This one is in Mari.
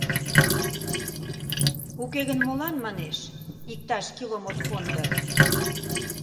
Уке гын молан, манеш, иктаж килом от кондо.